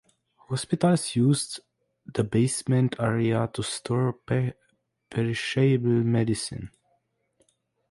Hospitals used the basement area to store perishable medicine.